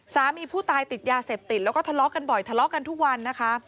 สามีผู้ตายติดยาเสพติดแล้วก็ทะเลาะกันบ่อยทะเลาะกันทุกวันนะคะ